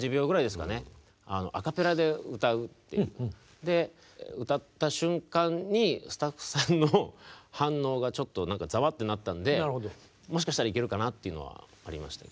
で歌った瞬間にスタッフさんの反応がちょっと何かざわっとなったんでもしかしたらイケるかなっていうのはありましたけど。